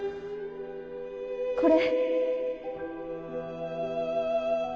これ。